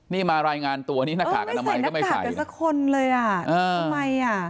นี่มารายงานตัวนี่หน้ากากอนามัยก็ไม่ใส่เอ้าไม่ใส่หน้ากากกันสักคนเลยอ่ะทำไมอ่ะ